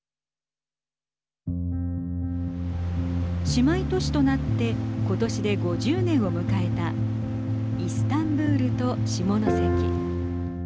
姉妹都市となってことしで５０年を迎えたイスタンブールと下関。